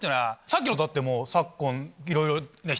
さっきのだって昨今いろいろ。